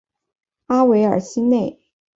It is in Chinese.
拉韦尔西内。